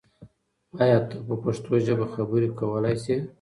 آیا ته په پښتو ژبه خبرې کولای سې؟